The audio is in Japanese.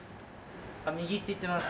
右って言ってます。